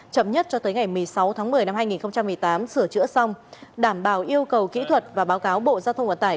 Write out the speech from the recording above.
chậm nhất cho tới ngày một mươi sáu tháng một mươi năm hai nghìn một mươi tám sửa chữa xong đảm bảo yêu cầu kỹ thuật và báo cáo bộ giao thông vận tải